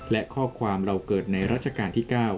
และข้อความเราเกิดในรัชกาลที่๙